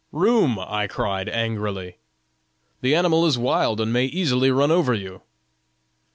'Room!' I cried, angrily; 'the animal is wild and may easily run over you.'